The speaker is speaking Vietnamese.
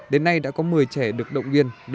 đến nay đã có một mươi trẻ được động